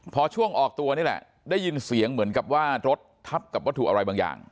พอช่วงออกตัวนี่แหละได้ยินเสียงเหมือนกับว่ารถทับกับวัตถุอะไรบางอย่าง